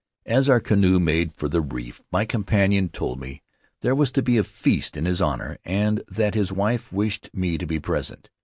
As our canoe made for the reef my companion told me there was to be a feast in his honor, and that his wife wished me to be present.